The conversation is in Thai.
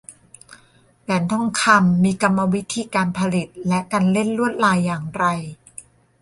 แหวนทองคำมีกรรมวิธีการผลิตและการเล่นลวดลายอย่างไร